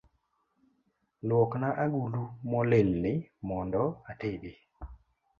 Luokna agulu molil ni mondo atede